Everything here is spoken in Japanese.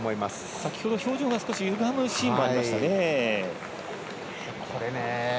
先ほど表情が少しゆがむシーンがありましたね。